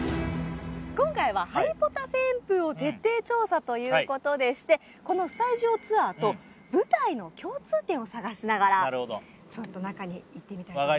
今回はハリポタ旋風を徹底調査ということでしてこのスタジオツアーと舞台の共通点を探しながら中に行ってみたいと思います